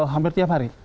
hampir tiap hari